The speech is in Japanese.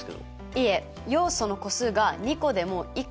いえ要素の個数が２個でも１個でも。